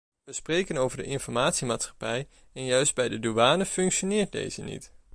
We spreken over de informatiemaatschappij en juist bij de douane functioneert deze niet.